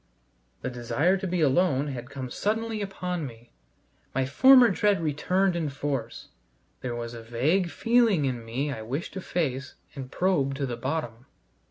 The desire to be alone had come suddenly upon me; my former dread returned in force; there was a vague feeling in me I wished to face and probe to the bottom.